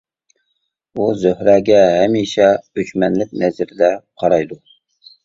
ئۇ زۆھرەگە ھەمىشە ئۆچمەنلىك نەزىرىدە قارايدۇ.